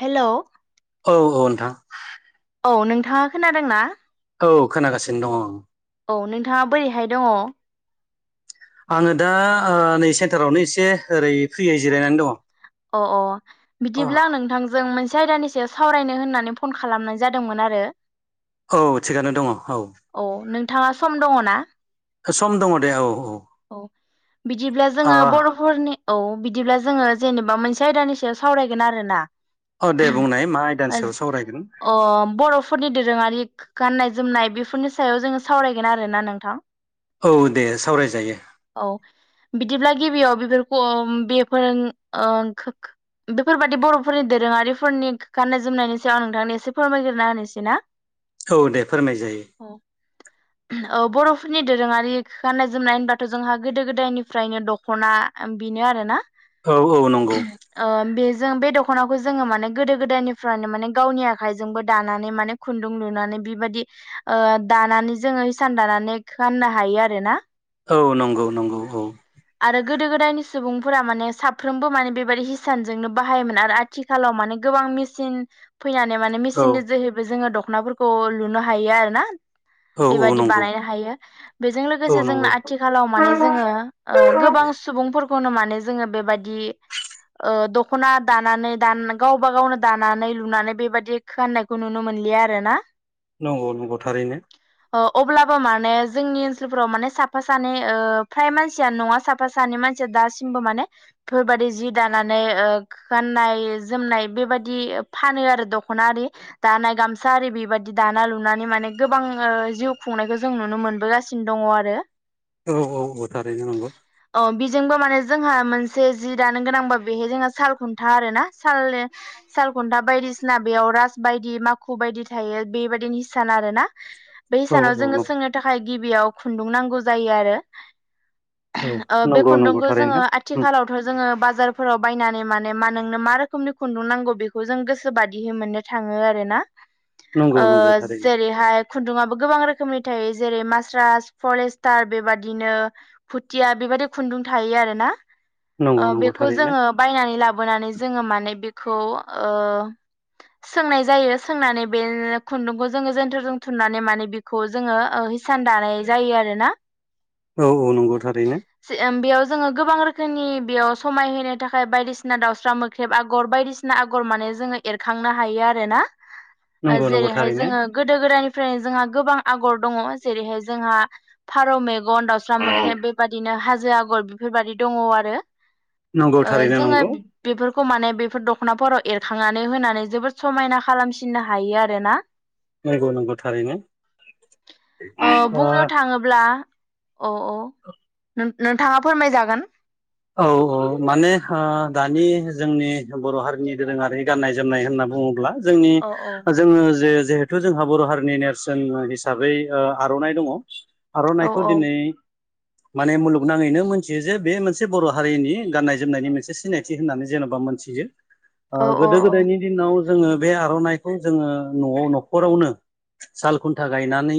Hello औ औ नोंथां औ नोंथाङा खोनादों ना? औ खोनागासिनो दं ओं औ नोंथाङा बोरैहाय दङ'? आङो दा ओ नै सेन्टारावनो एसे ओरै फ्रियै जिरायनानै दङ' अ अ अ बिदिब्लां नोंथांजों मोन से आयदानि सायाव सावरायनो होननानै फन खालामनाय जादोंमोन आरो औ थिगानो दङ' औ थाङा सम दङ ना? सम दङ' दे औ औ औ बिदिब्ला जोङो ओ बर'फोरनि औ बिदिब्ला जोङो जेनेबा मोनसे आयदानि सायाव सावरायगोन आरो ना औ दे बुंनाय मा आयदानि ओज सायाव सावरायगोन अ बर'फोरनि दोरोङारि। गाननाय जोमनाय बेफोरनि सायाव जोङो सावरायगोन आरोना नोंथां। औ दे सावरायजायो। औ बिदिब्ला गिबियाव बेफोरखौ चम बेफोर बेफोरबादि बर'फोरनि दोरोङारिफोरनि गाननाय जोमनायनि सायाव आं नोंथांनो एसे फोरमायग्रना होनोसै ना? औ दे फोरमाय जायो। अ बर'फोरन दोरोङारि गाननखय जोमनाय होनबाथ' जोंहा गोदो गोदायनिफ्रायनो दख'ना बेनो आरोना। औ औ नंगौ। जों बे दख'नाखौ जोङो माने गोदो गोदायनिफ्रायनो माने गावनि आखाइजोंबो दानानै माने खुन्दुं लुनानै बेबायदि ओ दानानै जोङो इसान दानानै फाननो हायो आरो ना। औ नंगौ नंगौ औ। आरो गोदो गोदायनि सुबुंफोरा माने साफ्रोमबो माने बेबायदि हिसानजोंनो बाहायोमोन आरो आथिखालाव माने गोबां मेसिन। फैनानै माने औ मेसिननि जोहैबो जोङो दख'नाफोरखौ लुनो हायो आरो ना। औ औ बेबायाददि नंगौ बानायनो हायो बेजों औ लोगोसे जों नंगौ आथिखालाव माने जोङो ओ गोबां सुबुंफोरखौनो माने जोङो बेबायाददि ओ दख'ना दानानै दान गावबा गावनो दानानै लुनानै बेबायदि खाननायखौ नुनो मोनो इयो आरोना। नंगौ नंगौ थारैनो। अ अब्लाबो माने जोंनि ओनसोलफोराव माने साफा सानै फ्राय मानसि सियान नङा साफा सानैानि मानसिया दासिमबो माने बेफोरबायदि जि दानानै गाननाय जोमनाय बेबायदि फानो आरो दख'ना आरि दानाय गामसा आरि बेबायदि दाना लुनानै माने। माने गोबां ओ जिउ खुंनायखौ जों नुनो मोनबोगासिनो दङ आरो। औ औ। थारैनो नंगौ अ बेजोंबो माने जोंहा मोनसे जि दानो गोनांबा बेहाय जोंहा साल खुन्था आरो ना साल सालखुन्था बायदिसिना बेयाव राज बायदि माख खु बायदि थायो बेबायदिनो हिसान आरोना बे औ हिसानाव जोङो सोंनो थाखाय गिबियाव खुन्दुं नांगौ जायो आरो। औ ओ‌बे नंगौ नंगौ खुन्दुंखौ थारैनो जोङो आथिखालावथ' जोङो बाज जारफोराव बायनानै माने मा नोंनो मा रोखोमनि खुन्दुं नांगौ बेखौ जों गोसोोबादिहै मोननो थाङो आरोना। नंगौ ओ नंगौ थारैनो जेरैहाय खुन्दुङाबो गोबां रोखोमनि थायो जेरै मास्रास फरेस्टार बेबादिनो। फुथिया बेबायदि खुन्दुं थायो आरोना नंगौ ओ नंगौ बेखौ थारैनो जोङो बायनानै लाब बोनानै जोङो माने बेखौ ओ सोंनाय जायो सोंनानै बे खुन्दुंखौ जोङो जोनथोरजों थुननानै माने बेखौ जोङो ओ हि सान दानाय जायो आरो ना। औ औ नंगौ थारैनो। जोङो गोबां रोखोमनि बेयाव समायहो थाखाय बायदिसिना दाउस्रा मोख्रेब आगर बायदिसिना आगर माने जोंङो एरखांनो हायो आरोना नंगौ नंगौ जेरैहाय थारैनो जोंङो गोदो गोदायनि फ्रायनो जोंहा गोबां आगर दङ जेरैहाय जोंहा फारौ मेगन दाउस्रा मोख ख्रेब बेबायादिनो हाजो आगर बेफोरबायदि दङ आरो नंगौ ओ थारैनो जोङो नंगौ बेफोर खौ माने बेफोर दख'नाफोराव एरखांनानै होनानै जोबोद समायना खालामफिननो हायो आरोना नंगौ नंगौ थारैनो ओ बुंनो थाङोब्ला अ अ। औ। नों नोंथाङा फोरमायजागोन। औ औ माने ओ दानि जोंनि बर' हारिनि दोरोङारि गाननाय जोमनाय होननाब बुङोब्ला जोंनि औ औ जोङो जे जिहेथु जोंहा बर' हारिनि नेरसोन हिसाबै आर'नाइ दङ। औ आर'नाइखौ दिनै माने मुलुगनाङैनो मोनथियो जे बे मोनसे मोनसे बर' हारिनि गाननाय-जोमनायनि मोनसे सिनायथि होननानै जेन'बा मोनथियो। ओ औ औ औ गोदो-गोदायनि दिनाव जोङो बे आर'नाइखौ जोङो न'आव न'खरावनो साल-खुन्था गायनानै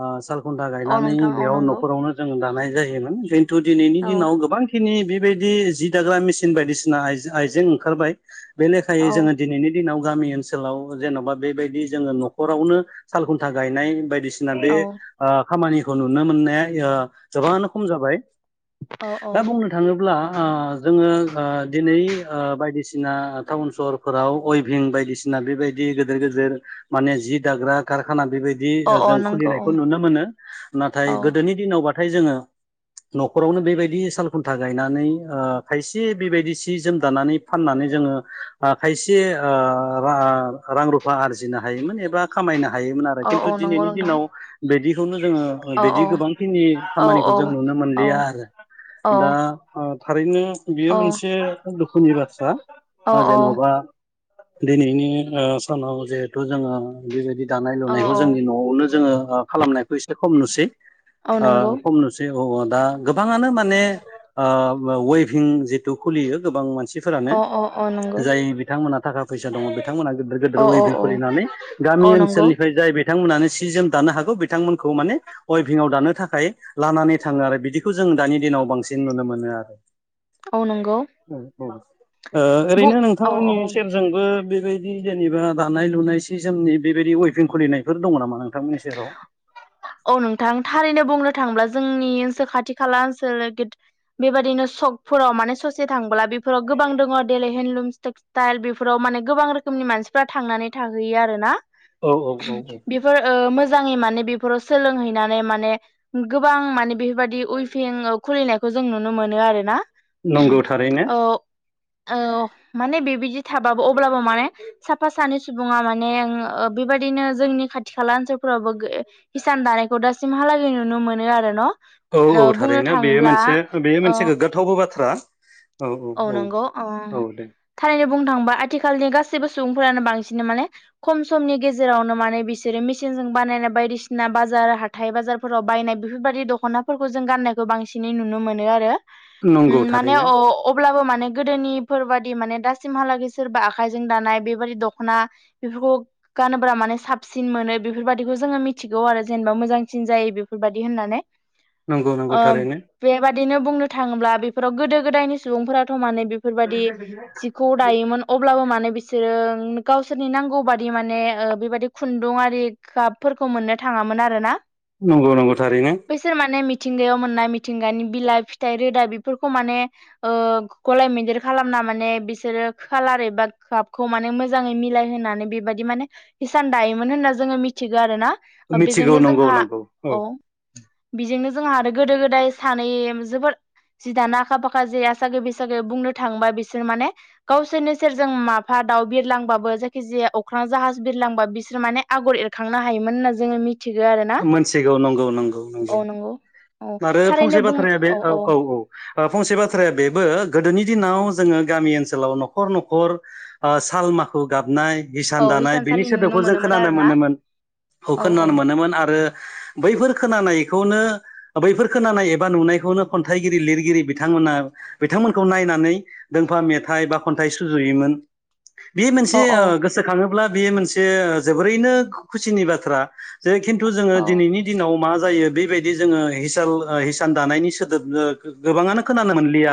ओ साल खुन्था औ गायनानै नोंथां औ बेयाव नंगौ न'खरावनो जों दानाय जायोमोन खिन्थु दिनैनि औ दिनाव गोबां खिनि बेबायदि जि दाग्रा मेसिन बायदिसिना आइजे- आइजें ओंखारबाय। बे औ लेखायै जोङो दिनैनि दिनाव गामि ओनसोलाव जेन'बा बेबायदि जोङो न'खरावनो साल-खुन्था गायनाय बायदिसि बायदिसिना ओ औ बे खामानिखौ नुनो मोननाया ओ गोबाङानो खम जाबाय। औ औ दा बुंनो थाङोब्ला ओ जोङो ओ दिनै ओ बायदिसिना टाउन-सहरफोराव उइभिं बायदिसिना ना बेबायदि गेदेर-गेदेर माने जि दाग्रा कारखाना बेबायदि औ ओ औ जों नंगौ औ खुलिनायखौ नुनो मोनो। नाथाय गोदोनि दिनाव बाथ नाथाय जोङो न'खरावनो बेबायदि साल-खुन्था गायनानै ओ खायसे बेबायदि सि जोम दानानै फाननानै जोङो ओ खायसे ओ रां-रुफा आरजिनो हायोमोन एबा खामायना हायोमोन आरो औ खिन्थु औ नंगौ दिनैनि नोंथां दिनाव बिदि जोङो ओ औ बिदि औ गोबांखिनि औ खामानिखौ औ जों नुनो औ मोनलिया आरो औ दा ओ थारैनो बियो मोनसे दुखुनि बाथ्रा औ ओ जेन'बा दिनैनि ओ सानाव जिहेथु जोङो बेबायदि दानाय-लुनायखौ औ जोंनि न'आवनो जोङो खालामनायखौ एसे खम नुसै औ ओ नंगौ खम नुसै औअ दा गोबाङानो माने ओ वेभिं जिथु खुलियो गोबां मानसि फोरानो अ अ अ नंगौ जाय बिथांमोना थाखा फैसा दङ बिथांमोना गिदिर-गिदिर औ औ उइभिं औ खुलिनानै गामि औ नंगौ ओनसोलनिफ्राय जाय बायदि बिथांमोनानो सि जोम दानो हागौ बिथांमोनखौ माने उइभिंआव दानो थाखाय लानानै थाङो आरो बिदिखौ जों दानि दिनाव बांसिन नुनो मोनो आरो औ नोंगौ। औ औ ओरैनो नोंथांमोननि औ सेरजोंबो बेबायदि जेनेबा दानाय-लुनाय सि-जोमनि बेबायदि उइभिं खुलिनायफोर दङ नामा नों औ नोंथां थारैनो बुंनो थांब्ला जोंनि खाथि-खाला ओनसोल बेबायदिनो सकफोराव माने ससे थांब्ला बेफोराव गोबां दङ जेरै- हेनदलुम टेक्सटाइल बेफोराव माने गोबां रोखोमनि मानसिफ्रा थांनानै थाहैयो आरो ना औ औ औ औ। बेफोर ओ मोजाङै माने बेफोराव सोलोंहैनानै माने गोबां माने बेफोरबायदि उइभिं खुलिनायखौ जों नुनो मोनो आरोना? नोंगौ थारैनो। औ औ माने बेबायदि थाबाबो अब्लाबो माने साफा-सानै सुबुङा माने ओ बे बेबायदिनो जोंनि खाथि-खाला ओनसोलफ्रावबो हिसान दानायखौ दासिमहालागै नुनो मोनो आरो न' औ औ बुंनो थारैनो बेयो थाङोब्ला मोनसे बेयो औ मोनसे गोग्गाथावबो बाथ्रा। औ नंगौ ओम औ दे थारैनो बुंनो थांबा आथि खालनि गासिबो सुबुंफोरानो बांसिना माने खम समनि गेजेरावनो माने बिसोरो मेसिनजों बानायनाय बाय बायदिसिना बाजार हाथाइ-बाजारफोराव बायनाय। बेफोरबायदि दख'नाफोरखौ जों गाननायखौ बांसिनै नुनो मोनो आरो नंगौ उम माने थारैनो अ अब्लाबो माने गोदोनिफोरबादि माने दासिमहालागै सोरबा आखाइजों दानाय बेबादि दख'ना बेफोरखौ गानोबा माने साबसिन मोनो। बेफोरबायदिखौ जोङो मिथिगौ आरो जेनेबा मोजांसिन जायो बेफोरबायदि होननानै नंगौ नंगौ ओम थारैनो बेबादिनो बुंनो थाङोब्ला बेफोराव गोदो-गोदायनो सुबुंफोराथ' माने बेफोरबायदि जिखौ दायोमोन अब्लाबो माने बि बिसोरो ओं गावसोरनि नांगौ बादि माने ओ बेबायादि खुन्दुं आरि गाबफोरखौ मोननो थाङामोन। मोन आरो ना? नोंगौ-नोंगौ थारैनो। मिथिंगायाव मोननाय मिथिंगानि बिलाइ-फिथाइ रोदा बेफोरखौ माने ओ गलाय मोनदेर खालामना माने बिसोरो खालार एबा कपखौ माने मोजाङै मिलायहोनो होननानै बेबायदि माने हिसान दायोमोन होनना जोङो मिथिगौ आरो ना मिथिगौ बेजोंनो नंगौ जोंहा नंगौ औ बेजोंनो जोंहा आरो गोदो गोदाय सानै जोबोद जि दाना आखा फाखा जे आसागि बैसागि बुंनो थांबा बिसोर माने गावसोरनि सेरजों माफा दाउ बिरलांबाबो जायखि जाया मा अख्रां जाहाज बिरलांबा बिसोरो माने आगर एरखांनो हायोमोन होनना जोङो मिथि मोनथिगौ नंगौ नंगौ नंगौ औ आरो फंसे थारैनो बुं बाथ्राया बे औ औ औ फंसे बाथ्राया बेबो गोदोनि दिनाव जोङो गामि ओनसोलाव न'खर न'खर ओ सा ल माखु गाब नाय औ हिसान दानाय बेनि हिसानसालि नुनो सोदोबखौ जों मोनोमोन खोनानो आरो ना मोनोमोन औ औ खोनानो मोनोमोन आरो बैफोर खोनानायखौनो बैफोर खोनानाय एबा नुनायखौनो खन्थाइगिरि लिरगिरि बिथांमोना बिथांमोनखौ नायनानै दोंफा बा मेथाइ बा खन्थाइ सुजुयोमोन बे मोनसे औ औ गोसोखाङोब्ला बेयो मोनसे जोबोरैनो खुसिनि बाथ्रा जे खिन्थु जोङो औ दिनैनि दिनाव मा जायो बेबायदि जोङो हिसाल हिसान दानायनि सोदोब गोबाङानो खोनानो मोनलिया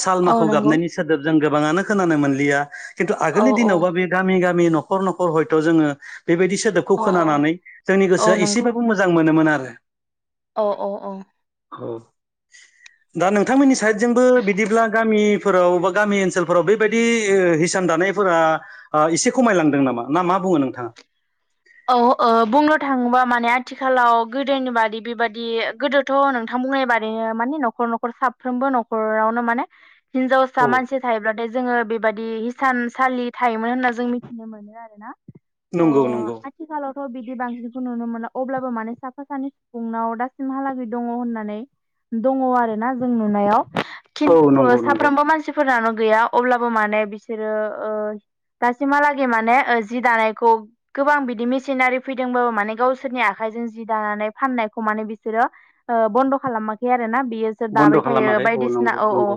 साल औ माखु नंगौ गाबनायनि सोदोब जों गोबाङानो खोनानो मोनलिया खिन्थु औ आगोलनि औ दिनावबा बे गामि गामि गामि न'खर न'खर हयथ' जोङो बेबायदि सोदोबखौ औ खोनानानै जोंनि औ गोसोआ नंगौ एसेबाबो मोजां मोनोमोन आरो अ अ अ औ दा नोंथांमोननि साइडजोंबो बिदिब्ला गामि फोराव गामि ओनसोलफोराव बेबायदि हिसान दानायफोरा एसे ओ खमायलांदों नामा ना मा मा बुङो नोंथाङा [unintelligible] औ ओ बुंनो थाङोबा माने आथिखालाव गोदोनि बादि बेबायदि गोदोथ' नोंथां बुंनाय बादिनो माने न'खर न'खर साफ्रोमबो न'खरावनो माने हिनजावसा औ मानसि थायोब्ला जोङो बेबादि हिसानसालि थायोमोन होनना जों मिथिनो मोनो आरोना अ नंगौ नंगौ आथिखालावथ' बिदि बांसिनखौ नुनो मोना अब्लाबो माने साफा सानै सुबुंनाव दासिमहालागै दङ होननानै दङ आरो ना जों नुनायाव औ खिन्थु नंगौ नंगौ साफ्रोमबो मानसिफोरानो गैया अब्लाबो माने बिसोरो ओ दासिमहालागै माने जि दानायखौ गोबां बिदि मेसिनारि फैदोंबाबो माने गावसोरनि आखाइजों जि दानानै फाननायखौ माने बिसोरो बन्द' खालामाखै आरो ना बियो बन्द' दाबाय थायो खालामाखै बायदिसिना नंगौ औ नंगौ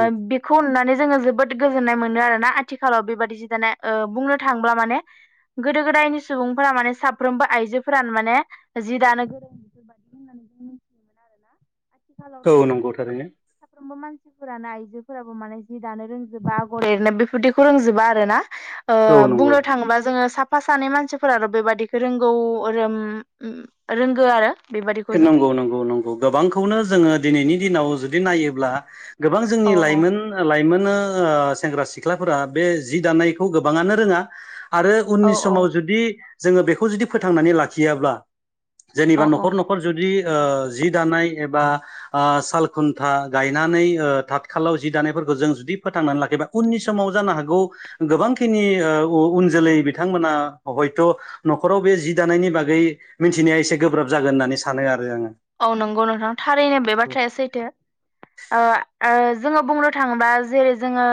उम बेखौ अनानै जोङो जोबोद गोजोननाय मो नो आरोना आथिखालाव बेबायदि जि दाना बुंनो थांब्ला माने गोदो गोदायनि सुबुंफोरा माने साफ्रोमबो आइजोफोरानो माने जि दानो गोरों जि दानो गोरोंमोन आरो आथिखालावथ' औ नंगौ थारैनो माने फोराबो माने जि दानो रोंजोबा आगर एरनो बेफोरदिखौ रोंजोबा आरोना ओ औ नंगौ बुंनो थाङोबा जोङो साफ साफा सानै मानसिफोराल' बेबादिखौ रोंगौ रों रोंगौ आरो बेबादिखौ जों नंगौ नंगौ नंगौ गोबांखौनो जोङो दिनैनि दिनाव नायोब्ला गोबां जोंनि औ लाइमोन लाइमोन बिदिनो ओ सेंग्रा सिख्लाफोरा बे जि दानायखौ गोबाङानो रोङा आरो औ उननि औ समाव जुदि जोङो बेखौ जुदि फोथांनानै लाखियाब्ला जेनेबा औ नखर औ न'खर न'खर जुदि ओ जि दानाय एबा ओ सालखुन्था गायनानै थाथ खालाव जि दानायफोरखौ जों जुदि फोथांनानै लाखि उननि समाव जानो हागौ गोबांखिनि उन जोलै बिथांमोना हयथ' न'खराव बे जि दानायनि बागै मिथिनाया एसे गोब्राब जागोन होननानै सानो आरो आङो औ नंगौ नोंथां थारैनो बे बाथ्राया सैथो ओ ओ जोङो बुंनो थाङोबा जेरै जोङो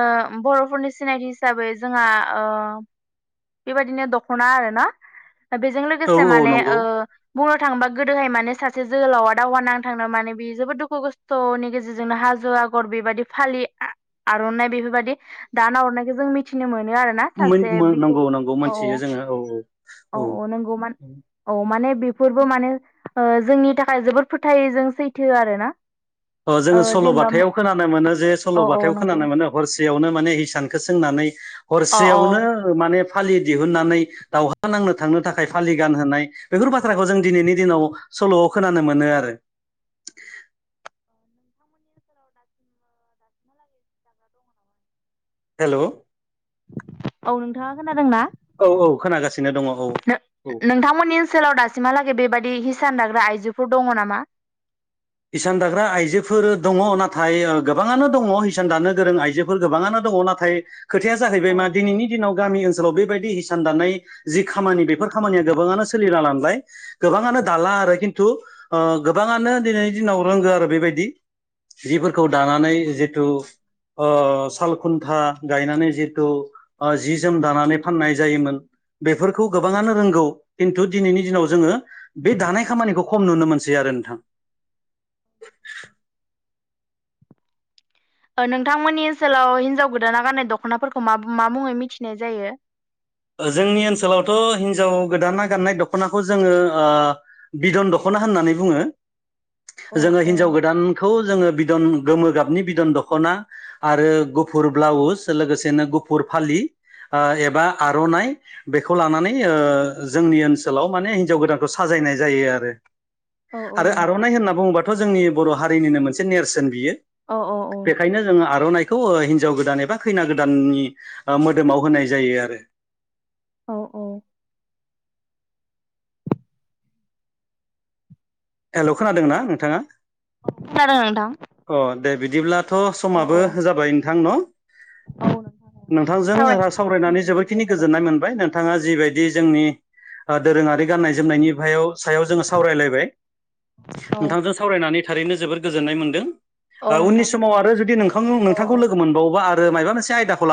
बर'फोरनि सिनायथि हिसाबै जोंहा ओ बेबायदिनो दख'ना आरो ना बेजों औ लोगोसे औ माने नंगौ ओ बुंनो थांङोबा गोदोहाय माने सासे से जोहोलावा दावहा नांथांनो माने बि जोबोद दुखु खस्थ'नि गेजेरजोंनो हाजो आगर बेबायदि फालि आर'नाइ बेफोरबायदि दा ना हरनायखौ जों मिथिनो मोन आरोना मोन सासे मो बिखौ नंगौ नंगौ मोनथियो औ जोङो औ औ नंगौ औ माने बेफोरबो माने जोंनि थाखाय जोबोद फोथायजों सैथो आरो ना अ जोङो सल'बाथायाव खोनानो मोनो जे औ औ सल'बाथायाव नंगौ खोनानो मोनो हरसेयावनो माने इसानखौ सोंनानै अ अ हरसेयावनो फालि दिहुननानै दावहा नांनो थांनो थाखाय फालि गानहोनाय बेफोर बाथ्राखौ जों दिनैनि दिनाव सल'आव खोनानो मोनो आरो औ नोंथांमोननि ओनसोलाव दासिम दासिमहालागै दाग्रा दङ नामा? हेल' औ नोंथाङा खोनादोंना औ औ खोनागासिनो दङ औ औ नोंथांमोननि ओनसोलाव दासिमहालागै बेबायदि दाग्रा आइजोफोर दङ नामा इसान दाग्रा आइजोफोर दंङ नाथाय गोबांङानो दंङ इसान दानो गोरों आइजोफोर गोबांङानो दङ नाथाय खोथाया जाहैबाय ओ मा दिनैनि दिनाव गामि ओनसोलाव बेबायदि हिसान दानायानाय जि खामानि बेफोर खामानिया गोबाङानो सोलिला लांबाय गोबाङानो दाला आरो खिन्थु ओ गोबाङानो दिनैनि दिनाव रोंगो आरो बेबायदि जिफोरखौ दानानै जिथु ओ सालखुन्था गायनानै जिथु जि जोम दानानै फाननाय जायोमोन बेफोरखौ गोबाङानो रोंगौ खिन्थु दिनैनि दिनाव जोङो बे दानाय खामानिखौ खम नुनो मोनसै आरो आरो थां नोंथांमोननि ओनसोलाव हिनजाव गोदाना गाननाय दख'नाफोरखौ मा मुङै मिथिनाय जायो जोंनि ओनसोलावथ' हिनजाव गोदाना गाननाय दख'नाखौ जोङो बिदन दख'ना होननानै बुङो अ जोङो अ हिनजाव गोदानखौ जोङो बिदन गोमो गाबनि बिदन दखना आरो गुफुर ब्लाउस लोगोसेनो गुफुर फालि एबा आर'नाइ बे बेखौ लानानै ओ जोंनि ओनसोलाव माने हिनजाव गोदानखौ साजायनाय जायो आरो औ औ आरो नोंथां आर'नाइ होनना बुङोबाथ' जोंनि बर' हारिनिनो मोनसे नेरसोन बियो औ औ औ बेखायनो जोङो आर'नाइखौ थ' हिनजाव गोदान एबा खैना गोदाननि मोदोमाव होनाय जायो आरो औ औ हेल' खोनादोंना नोंथाङा खोनादों नोंथां? अ दे बिदिब्ला दाथ' औ औ समाबो जाबाय नोंथां न' औ नोंथां औ नोंथांजों आंहा सावरायनायखौ सावरायनानै बेखिनियावनो दोननाय जोबोदखिनि जाबाय गोजोननाय मोनबाय नोंथां बिथाङा जिबायदि जोंनि दोरोङारि गाननाय जोमनायनि सायाव जोङो सावरायलायबाय। औ नोंथांजों सावरायनानै थारैनो जोबोर गोजोननाय मोनदों। औ उननि नोंथां समाव आरो जुदि नोंथां औ नोंथांखौ औ लोगो मोनबावोबा आरो माबा मोनसे आयदाखौ लानानै।